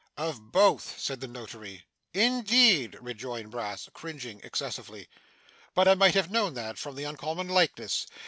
'Of both,' said the notary. 'In deed!' rejoined Brass, cringing excessively. 'But I might have known that, from the uncommon likeness.